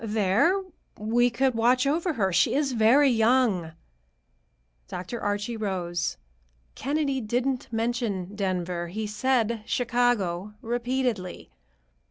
There we could watch over her. She is very young." Dr. Archie rose. "Kennedy didn't mention Denver. He said Chicago, repeatedly.